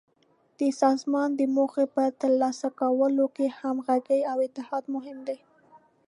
د سازمان د موخو په تر لاسه کولو کې همغږي او اتحاد مهم دي.